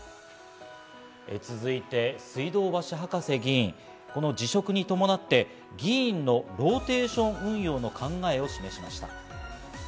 続いて水道橋博士議員、この辞職に伴って、議員のローテーション運用の考えを示しました。